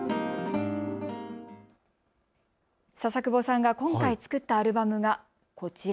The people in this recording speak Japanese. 笹久保さんが今回作ったアルバムがこちら。